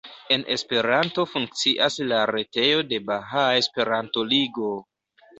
En Esperanto funkcias la retejo de Bahaa Esperanto-Ligo.